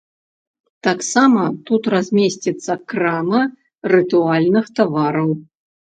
Таксама тут размесціцца крама рытуальных тавараў.